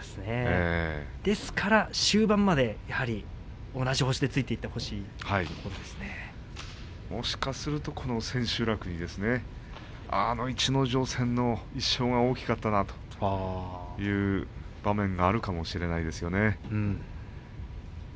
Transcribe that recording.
ですから終盤までやはり同じ星でついていってほしいもしかするとこの千秋楽にあの逸ノ城戦の１勝が大きかったなという場面があるかもしれないですよね。